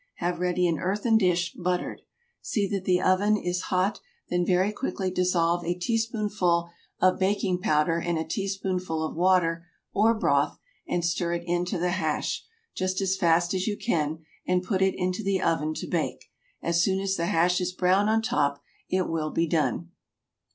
Have ready an earthen dish, buttered. See that the oven is hot, then very quickly dissolve a teaspoonful of baking powder in a teaspoonful of water or broth and stir it into the hash just as fast as you can and put it into the oven to bake. As soon as the hash is brown on top it will be done.